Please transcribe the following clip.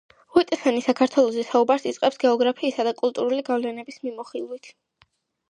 ვიტსენი საქართველოზე საუბარს იწყებს გეოგრაფიისა და კულტურული გავლენების მიმოხილვით.